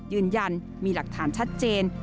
ยืนยันมีหลักฐานชัดเจน